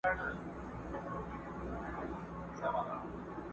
ژوند مي جهاني یوه شېبه پر باڼو ولیکه.!